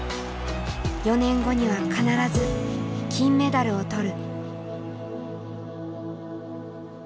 ４年後には必ず金メダルを取る。